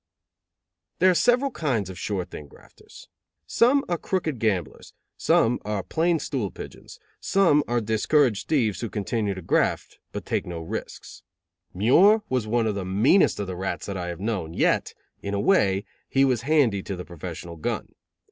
There are several kinds of sure thing grafters. Some are crooked gamblers, some are plain stool pigeons, some are discouraged thieves who continue to graft but take no risks. Muir was one of the meanest of the rats that I have known, yet in a way, he was handy to the professional gun.